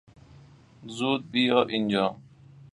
زود بیا اینجا!